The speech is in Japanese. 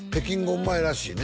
うまいらしいね